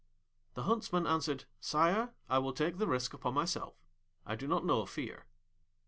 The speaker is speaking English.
The Huntsman answered, 'Sire, I will take the risk upon myself. I do not know fear.'